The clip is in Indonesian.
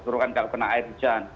terutama kalau kena air hujan